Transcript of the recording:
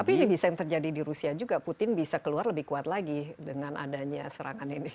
tapi ini bisa yang terjadi di rusia juga putin bisa keluar lebih kuat lagi dengan adanya serangan ini